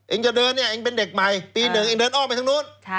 จะเดินเนี่ยเองเป็นเด็กใหม่ปี๑เองเดินอ้อมไปทางนู้น